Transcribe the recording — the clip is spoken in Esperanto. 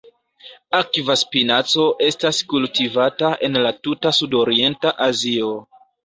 Akva spinaco estas kultivata en la tuta sudorienta Azio.